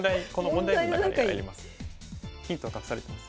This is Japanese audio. ヒント隠されてます。